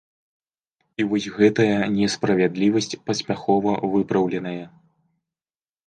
І вось гэтая несправядлівасць паспяхова выпраўленая.